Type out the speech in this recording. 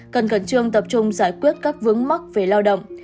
cần khẩn trương tập trung giải quyết các vướng mắc về lao động